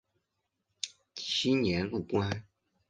其年入关。